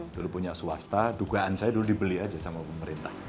dulu punya swasta dugaan saya dulu dibeli aja sama pemerintah